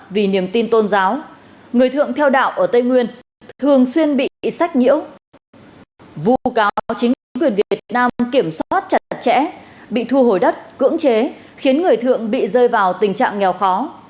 vụ cáo chính quyền việt nam kiểm soát chặt chẽ bị thu hồi đất cưỡng chế khiến người thượng bị rơi vào tình trạng nghèo khó